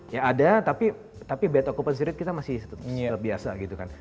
ya ada tapi bad occupancy rate kita masih biasa gitu kan